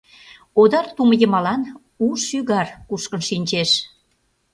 Одар тумо йымалан у шӱгар кушкын шинчеш.